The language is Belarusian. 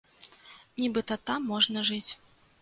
Нібыта, там можна жыць.